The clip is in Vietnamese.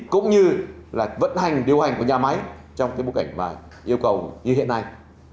cũng như vận hành điều hành của nhà máy trong bối cảnh yêu cầu như hiện nay